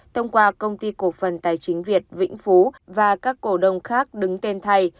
thông qua công ty cổ phần tài chính việt vĩnh phú và các cổ đông khác đứng tên thầy